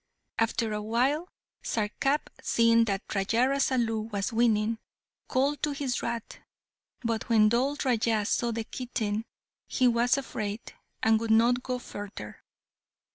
After a while, Sarkap, seeing Raja Rasalu was winning, called to his rat, but when Dhol Raja saw the kitten he was afraid, and would not go further.